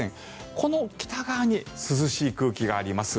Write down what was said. この北側に涼しい空気があります。